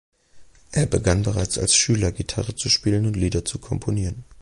Er begann bereits als Schüler, Gitarre zu spielen und Lieder zu komponieren.